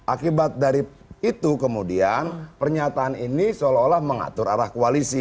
akibat dari itu kemudian pernyataan ini seolah olah mengatur arah koalisi